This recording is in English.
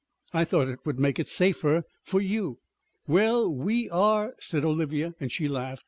I thought it would make it safer for you." "Well, we are " said Olivia, and she laughed.